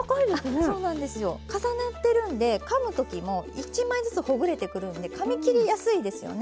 重なってるんでかむ時も１枚ずつほぐれてくるんでかみ切りやすいですよね。